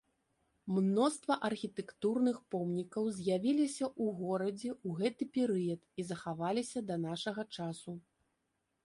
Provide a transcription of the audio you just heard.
Мноства архітэктурных помнікаў з'явіліся ў горадзе ў гэты перыяд і захаваліся да нашага часу.